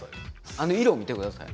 あの色を見てください。